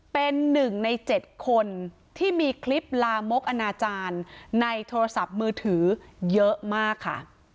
เป็น๑ใน๗คนที่มีคลิปลามกอนาจารย์ในโทรศัพท์มือถือเยอะมากค่ะ